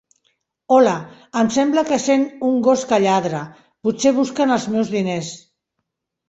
Hola! Em sembla que sent un gos que lladra. Potser busquen els meus diners.